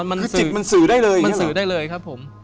มันวิจิตมันสื่อได้เลยมันสื่อได้เลยครับผม